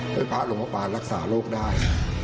ให้พระหลวงพระปานรักษาระลูกได้